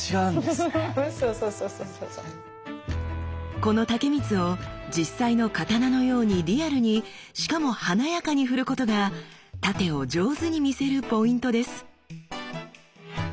この竹光を実際の刀のようにリアルにしかも華やかに振ることが殺陣を上手に見せるポイントです。